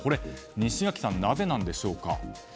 西垣さん、なぜでしょうか。